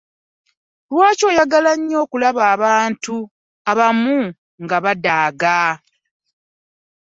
Lwaki oyagala nnyo okulaba abantu abamu nga badaaga?